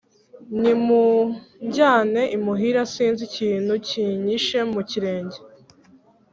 Nimunjyane imuhira, sinzi ikintu kinyishe mu kirenge